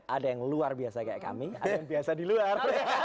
ada yang luar biasa kayak kami ada yang biasa di luar